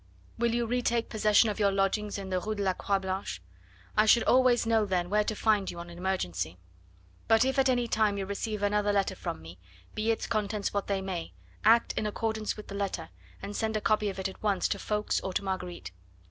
Will you retake possession of your lodgings in the Rue de la Croix Blanche? I should always know then where to find you in an emergency. But if at any time you receive another letter from me, be its contents what they may, act in accordance with the letter, and send a copy of it at once to Ffoulkes or to Marguerite.